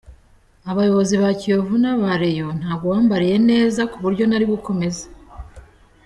Abayobozi ba Kiyovu n’aba Rayon ntabwo bambaniye neza ku buryo nari gukomeza.